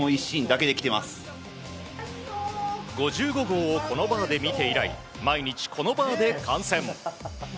５５号をこのバーで見て以来毎日このバーで観戦。